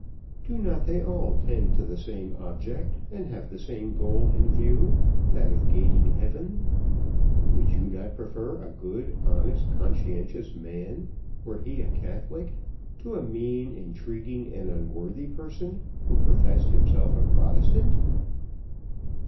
do not they all tend to the same object, and have the same goal in view that of gaining heaven? Would you not prefer a good, honest, conscientious man, were he a Catholic, to a mean, intriguing, and unworthy person, who professed himself a Protestant?"